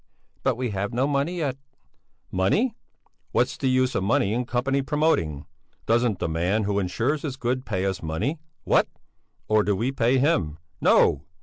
"But we have no money yet!" "Money? What's the use of money in company promoting? Doesn't the man who insures his goods pay us money? What? Or do we pay him? No!